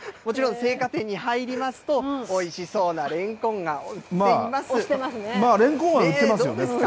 もちろん青果店に入りますと、おいしそうなレンコンが売っています。